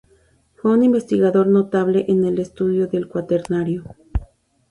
Fue un investigador notable en el estudio del Cuaternario.